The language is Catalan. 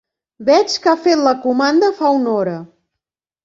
Veig que ha fet la comanda fa una hora.